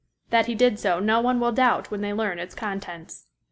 That he did so no one will doubt when they learn its contents.